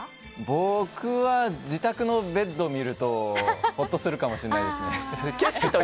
僕は自宅のベッドを見るとほっとするかもしれないですね。